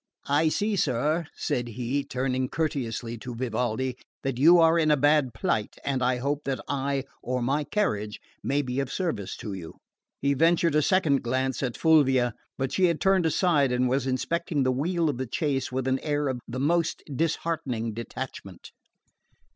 "I see, sir," said he, turning courteously to Vivaldi, "that you are in a bad plight, and I hope that I or my carriage may be of service to you." He ventured a second glance at Fulvia, but she had turned aside and was inspecting the wheel of the chaise with an air of the most disheartening detachment.